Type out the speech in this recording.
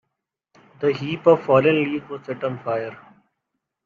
The heap of fallen leaves was set on fire.